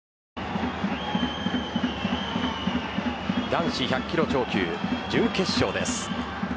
男子１００キロ超級準決勝です。